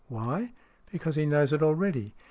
Why ? Because he knows it already.